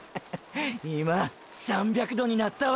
今３００℃になったわ！！